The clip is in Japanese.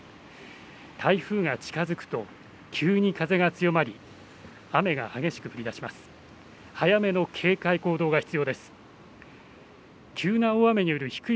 台風が近づくと急に風が強まり、雨が激しく降りだします。